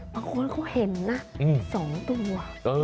บางคนเขาเห็นนะ๒ตัว